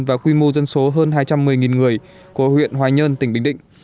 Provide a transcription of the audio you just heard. và quy mô dân số hơn hai trăm một mươi người của huyện hoài nhơn tỉnh bình định